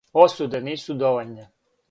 Осуде нису довољне.